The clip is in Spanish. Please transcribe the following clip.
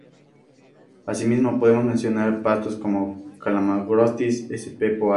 Asimismo, podemos mencionar pastos como calamagrostis sp., poa sp.